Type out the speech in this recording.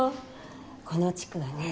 この地区はね